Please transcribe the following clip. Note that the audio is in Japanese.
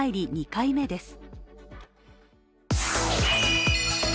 ２回目です。